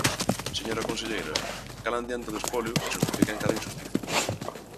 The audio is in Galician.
Señora conselleira, calan diante do espolio e xustifican cada inxustiza.